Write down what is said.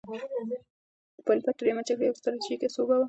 د پاني پت درېیمه جګړه یوه ستراتیژیکه سوبه وه.